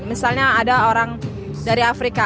misalnya ada orang dari afrika